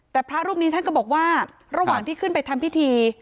แต่พระรูปนี้ท่านก็บอกว่าระหว่างที่ขึ้นไปทำพิธี